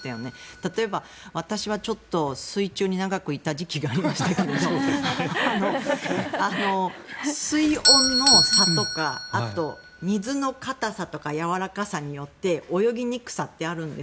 例えば、私はちょっと水中に長くいた時期がありましたが水温の差とかあと、水の硬さとかやわらかさによって泳ぎにくさってあるんです。